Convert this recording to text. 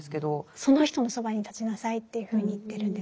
その人のそばに立ちなさいというふうに言ってるんです。